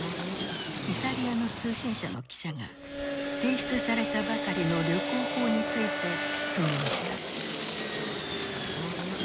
イタリアの通信社の記者が提出されたばかりの旅行法について質問した。